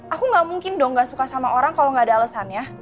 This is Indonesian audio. aku gak mungkin dong gak suka sama orang kalau gak ada alasannya